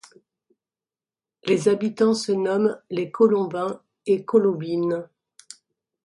Les habitants se nomment les Colombins et Colombines.